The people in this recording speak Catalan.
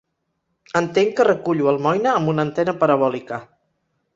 Entenc que recullo almoina amb una antena parabòlica.